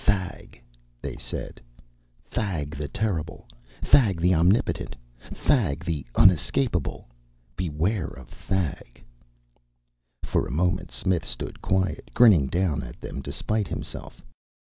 "Thag," they said. "Thag, the terrible Thag, the omnipotent Thag, the unescapable. Beware of Thag." For a moment Smith stood quiet, grinning down at them despite himself.